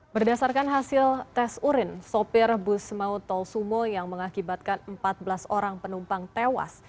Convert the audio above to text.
berdasarkan hasil tes urin sopir bus maut tol sumo yang mengakibatkan empat belas orang penumpang tewas